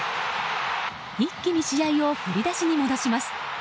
一気に試合を振り出しに戻ります。